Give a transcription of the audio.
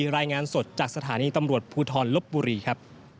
รายงานสดจากสถานีตำรวจภูทรลบบุรีครับ